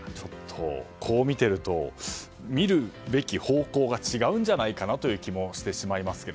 こう見てると、見るべき方向が違うんじゃないかなという気もしてしまいますが。